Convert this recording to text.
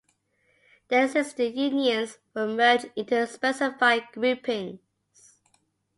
The existing unions were merged into the specified groupings.